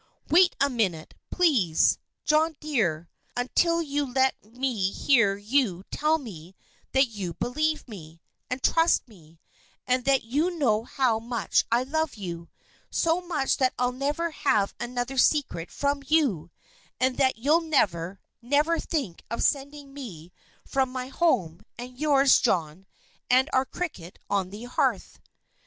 "Wait a minute, please, John dear, until you let me hear you tell me that you believe me, and trust me, and that you know how much I love you so much that I'll never have another secret from you; and that you'll never, never think of sending me from my home, and yours, John, and our cricket on the hearth."